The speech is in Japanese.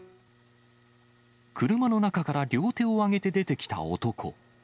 車の中から両手を挙げて出てきた男。